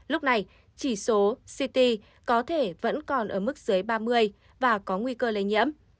lúc này chỉ số ct có thể vẫn còn ở mức dưới ba mươi và có nguy cơ lây nhiễm